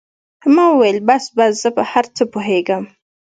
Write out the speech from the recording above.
ما وويل بس بس زه په هر څه پوهېږم.